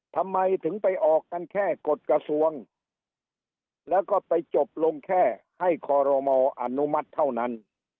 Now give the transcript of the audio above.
ทำไมถึงไปออกกันแค่กฎกระทรวงแล้วก็ไปจบลงแค่ให้คอรมออนุมัติเท่านั้น